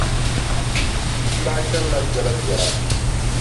N daa chanila biɛlabiɛla.